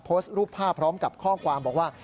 โพสต์รูปภาพพร้อมกับข้อความบอกว่า